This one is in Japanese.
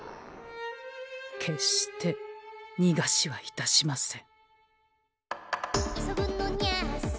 決してにがしはいたしません。